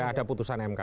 ya ada putusan mk